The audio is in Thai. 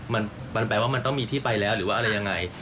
มันแปลว่ามันต้องมีที่ไปแล้วหรือว่าอะไรยังไง